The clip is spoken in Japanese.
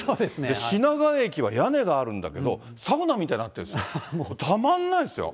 品川駅は屋根があるんだけど、サウナみたいになってる、たまんないですよ。